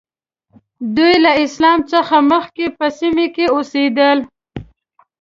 دوی له اسلام څخه مخکې په سیمه کې اوسېدل.